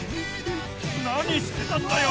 何してたんだよ